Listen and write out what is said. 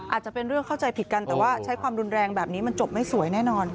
อาจจะเป็นเรื่องเข้าใจผิดกันแต่ว่าใช้ความรุนแรงแบบนี้มันจบไม่สวยแน่นอน